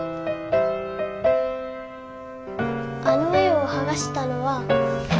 あの絵をはがしたのは。